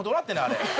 あれ。